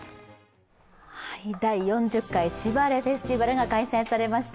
第４０回しばれフェスティバルが開催されました。